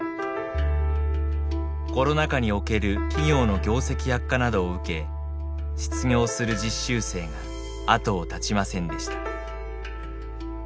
コロナ禍における企業の業績悪化などを受け失業する実習生が後を絶ちませんでした。